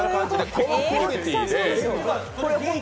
このクオリティー。